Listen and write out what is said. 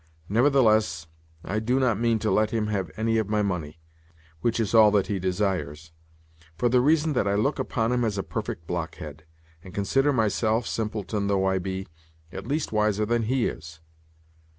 Nevertheless, I do not mean to let him have any of my money (which is all that he desires), for the reason that I look upon him as a perfect blockhead, and consider myself, simpleton though I be, at least wiser than he is.